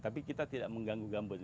tapi kita tidak mengganggu gambut